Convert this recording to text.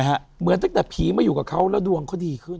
เหมือนตั้งแต่ผีมาอยู่กับเขาแล้วดวงเขาดีขึ้น